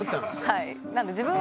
はい。